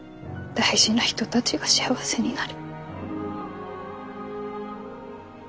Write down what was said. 大事な人たちが幸せになる。